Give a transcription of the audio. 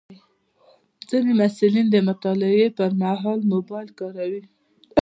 ځینې محصلین د مطالعې پر مهال موبایل کاروي.